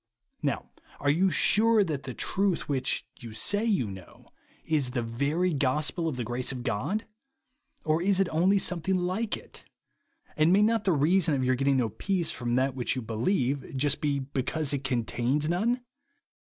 Now are you sure that the truth which, you say you know, is the very gospel of the grace of God ? Or is it only* something hke it ? And may not the reason of your get ting no peace from that which you beheve, just be, because it contains none